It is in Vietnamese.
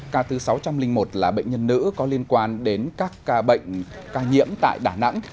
ca thứ sáu trăm linh một là bệnh nhân nữ có liên quan đến các ca nhiễm tại đà nẵng